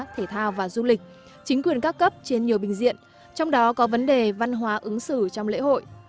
thể thao và du lịch chính quyền các cấp trên nhiều bình diện trong đó có vấn đề văn hóa ứng xử trong lễ hội